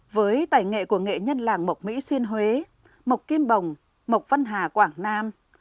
với tài nghệ của nghệ nhân làng mộc mỹ xuyên huế mộc kim bồng mộc văn hà quảng nam